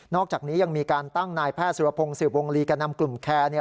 อกจากนี้ยังมีการตั้งนายแพทย์สุรพงศ์สืบวงลีแก่นำกลุ่มแคร์เนี่ย